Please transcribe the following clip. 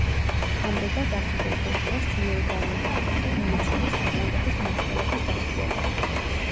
ამრიგად აფრიკულ კულტურას ძლიერი გავლენა ჰქონდა მონებს შორის საფრანგეთის მმართველობის დასრულებამდე.